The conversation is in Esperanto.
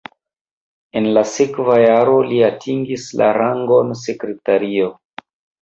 En la sekva jaro li atingis la rangon sekretario.